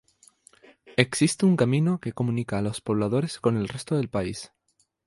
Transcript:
Existe un camino que comunica a los pobladores con el resto del país.